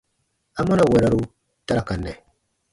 Amɔna wɛrɔru ta ra ka nɛ?